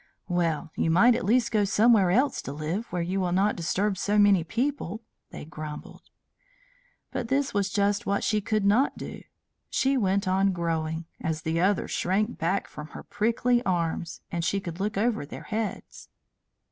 "Well, you might at least go somewhere else to live, where you will not disturb so many people," they grumbled. But this was just what she could not do. She went on growing; as the others shrank back from her prickly arms she could look over their heads.